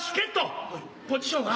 ポジションは？